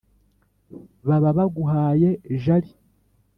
baba baguhaye jali